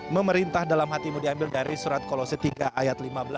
memerintah dalam hatimu diambil dari surat kolose tiga ayat lima belas